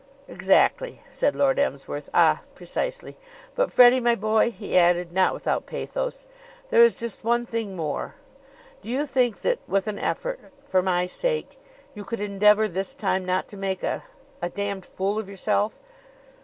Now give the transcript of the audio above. "Exactly," said Lord Emsworth. "Ah precisely. But, Freddie, my boy," he added, not without pathos, "there is just one thing more. Do you think that with an effort for my sake you could endeavor this time not to make a a damned fool of yourself?"